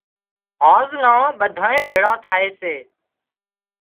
هانز نان ٻڌانئين ڀيۯان ٿائي سي